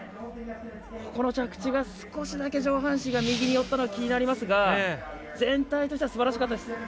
ここの着地が少しだけ上半身が右に寄ったのが気になりますが全体としては、すばらしいです。